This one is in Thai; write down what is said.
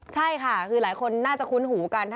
ใช่ค่ะคือหลายคนน่าจะคุ้นหูกัน